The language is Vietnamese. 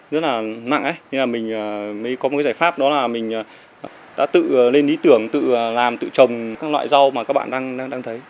rất là nặng ấy như là mình mới có một giải pháp đó là mình đã tự lên lý tưởng tự làm tự trồng các loại rau mà các bạn đang thấy